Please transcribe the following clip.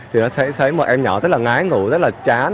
thì nó sẽ thấy một em nhỏ rất là ngái ngủ rất là chán